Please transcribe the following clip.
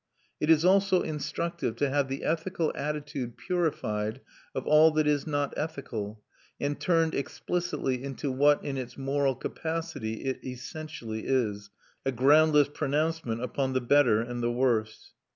It is also instructive to have the ethical attitude purified of all that is not ethical and turned explicitly into what, in its moral capacity, it essentially is: a groundless pronouncement upon the better and the worse.